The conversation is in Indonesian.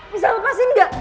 bisa lepasin gak